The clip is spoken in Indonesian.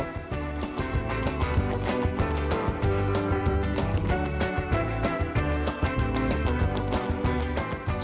pembelian panggang dari jodoh jodoh jodoh